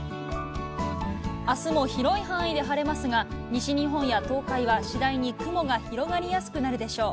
あすも広い範囲で晴れますが、西日本や東海は次第に雲が広がりやすくなるでしょう。